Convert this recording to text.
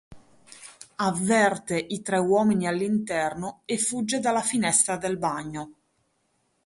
Avverte i tre uomini all'interno e fugge dalla finestra del bagno.